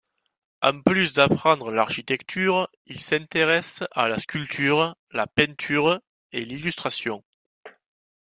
En plus d'apprendre l'architecture, il s'intéresse à la sculpture, la peinture et l'illustration.